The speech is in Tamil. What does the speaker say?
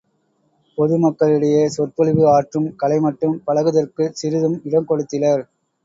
பொதுமக்களிடையே சொற்பொழிவு ஆற்றும் கலைமட்டும் பழகுதற்குச் சிறிதும் இடம்கொடுத்திலர்.